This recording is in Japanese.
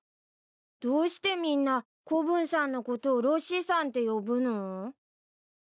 どうしてみんな子分さんのことをロッシさんって呼ぶの？